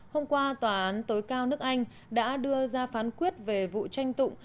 hôm qua tòa án tối cao nước anh đã đưa ra phán quyết về vụ tranh tụng